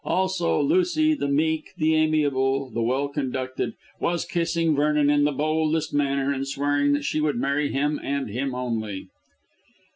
Also Lucy, the meek, the amiable, the well conducted, was kissing Vernon in the boldest manner and swearing that she would marry him and him only.